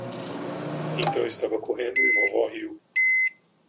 Então eu estava correndo e vovó riu.